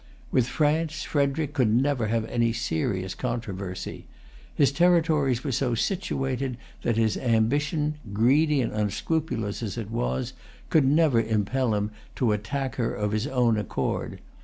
With France Frederic could never have any serious controversy. His territories were so situated that his ambition, greedy and unscrupulous as it was, could never impel him to attack her of his own accord.